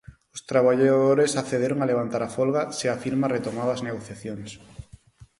Os traballadores accederon a levantar a folga se a firma retomaba as negociacións.